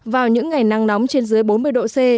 vào những ngày nắng nóng trên dưới bốn mươi độ c